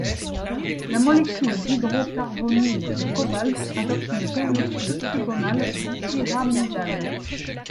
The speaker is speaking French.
La molécule d'hydrocarbonyle de cobalt adopte une géométrie trigonale bipyramidale.